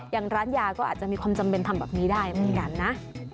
อย่างร้านยาก็อาจจะมีความจำเป็นทำแบบนี้ได้เหมือนกันนะ